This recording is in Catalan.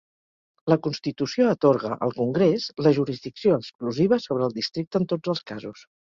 La Constitució atorga al Congrés la jurisdicció exclusiva sobre el Districte en tots els casos.